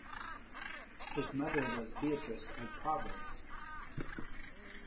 His mother was Beatrice of Provence.